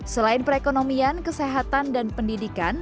selain perekonomian kesehatan dan pendidikan